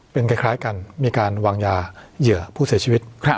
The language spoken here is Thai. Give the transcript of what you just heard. เป็นคล้ายกันมีการวางยาเหยื่อผู้เสียชีวิต